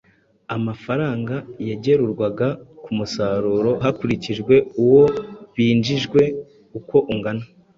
amafaranga yagerurwaga ku musoro hakurikijwe uwo binjijwe uko ungana.